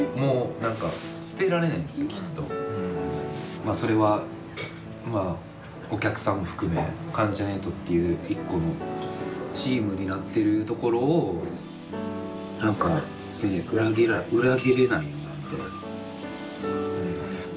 まあそれはお客さんも含め関ジャニ∞っていう１個のチームになってるところを何か裏切れない思いで。